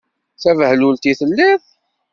D tabehlult i telliḍ.